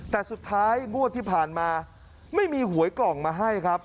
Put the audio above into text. แต่สุดท้ายงวดที่ผ่านมาไม่มีหวยกล่องมาให้ครับ